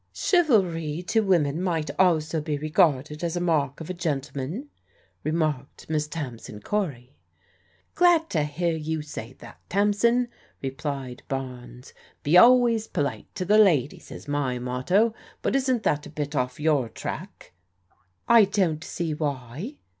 " Chivalry to women might also be regarded as a mark of a gentleman," remarked Miss Tamsin Cory. " Glad to hear you say that, Tamsin," replied Barnes. " Be always polite to the ladies is my motto ; but isn't that a bit off your track? "" I don't see why."